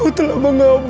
provedomu jangan dimloop